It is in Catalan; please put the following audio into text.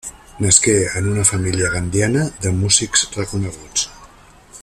Nasqué en una família gandiana de músics reconeguts.